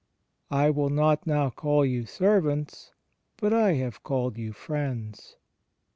"I will not now call you servants ... but I have called you friends."